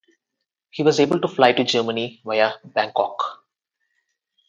He was able to fly to Germany via Bangkok.